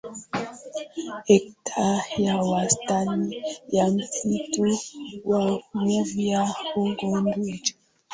hekta ya wastani ya msitu wa mvua ugunduzi